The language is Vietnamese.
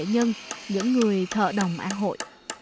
những nghệ nhân những người thợ đồng an hội